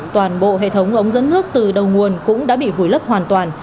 toàn bộ hệ thống ống dẫn nước từ đầu nguồn cũng đã bị vùi lấp hoàn toàn